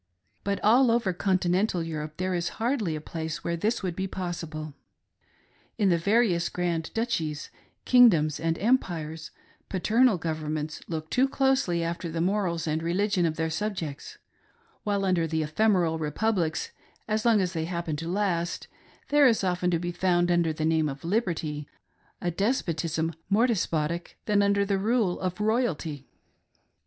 But all over continental Europe there is hardly a place where this would be possible. In the various grand duchies, king doms, and empires, paternal governments look too closely after the morals and religion of their subjects ; while under the ephemeral republics, as long as they happen to last, there is often to be found, under the name of liberty, a despotism more despotic than under the rule of royalty.